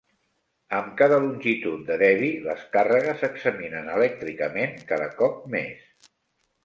Amb cada Longitud de Debye, les càrregues s"examinen elèctricament cada cop més.